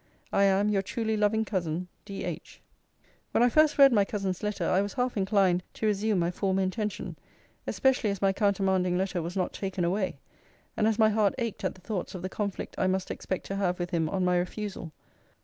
I am Your truly loving cousin, D.H. When I first read my cousin's letter, I was half inclined to resume my former intention; especially as my countermanding letter was not taken away; and as my heart ached at the thoughts of the conflict I must expect to have with him on my refusal.